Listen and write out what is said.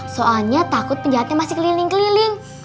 soalnya takut penjahatnya masih keliling keliling